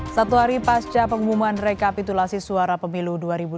satu hari pasca pengumuman rekapitulasi suara pemilu dua ribu dua puluh